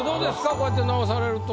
こうやって直されると。